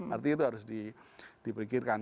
artinya itu harus diperikirkan